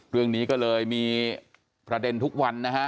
เรื่องนี้ก็เลยมีประเด็นทุกวันนะฮะ